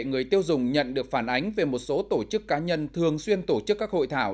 người tiêu dùng nhận được phản ánh về một số tổ chức cá nhân thường xuyên tổ chức các hội thảo